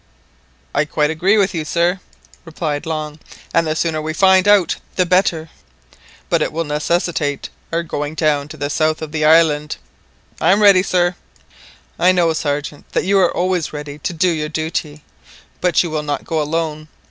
"I quite agree with you, sir," replied Long, "and the sooner we find out the better" "But it will necessitate our going down to the south of the island." "I am ready, sir." "I know, Sergeant, that you are always ready to do your duty, but you will not go alone.